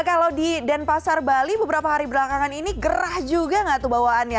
kalau di denpasar bali beberapa hari belakangan ini gerah juga nggak tuh bawaannya